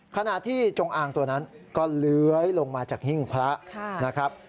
ขณะที่จงอางตัวนั้นก็เลื้อยลงมาจากหิ้งพระนะครับ